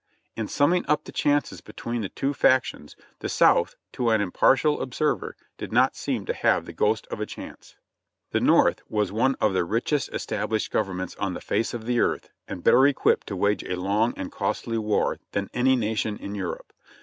In summing up the chances between the two factions, the South, to an impartial observer, did not seem to have the ghost of a chance. The North was one of the richest established governments on the face of the earth and better equipped to wage a long and costly war than any nation in Europe.